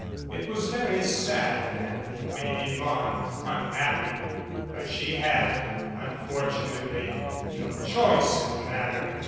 It was very sad and made Yvonne unhappy, But she had, unfortunately, no choice in the matter.